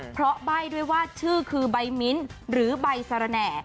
เพราะใบ้ด้วยว่าชื่อคือใบมิ้นหรือใบสารแหน่